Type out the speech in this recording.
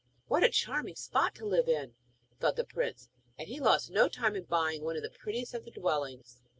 'What a charming spot to live in,' thought the prince. And he lost no time in buying one of the prettiest of the dwellings.